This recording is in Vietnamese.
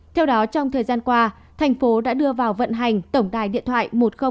theo đó trong thời gian qua thành phố đã đưa vào vận hành tổng đài điện thoại một nghìn hai mươi hai